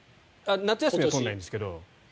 夏休みは取らないですけど。